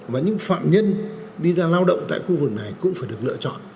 và những phạm nhân đi ra lao động tại khu vực này cũng phải được lựa chọn